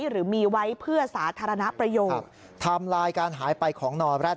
หรือมีไว้เพื่อสาธารณประโยคทำลายการหายไปของนอแรด